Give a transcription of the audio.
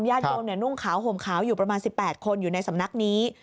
ญาติโยมนุ่งขาวห่มขาวอยู่ประมาณ๑๘คนอยู่ในสำนักนี้